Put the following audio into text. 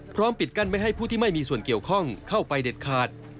ปิดกั้นไม่ให้ผู้ที่ไม่มีส่วนเกี่ยวข้องเข้าไปเด็ดขาด